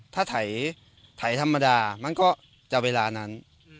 ถ้าไถธรรมดามันก็จะเวลานั้น